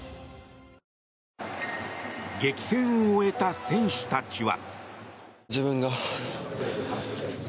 激戦を終えた選手たちは。